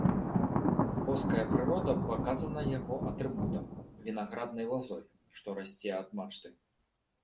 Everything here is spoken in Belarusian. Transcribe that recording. Боская прырода паказана яго атрыбутам, вінаграднай лазой, што расце ад мачты.